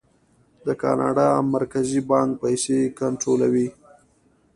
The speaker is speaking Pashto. د کاناډا مرکزي بانک پیسې کنټرولوي.